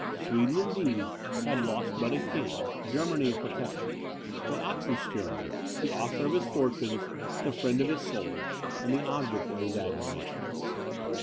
Sweden, indeed, had lost but a king, Germany a protector; but Oxenstiern, the author of his fortunes, the friend of his soul, and the object of his admiration.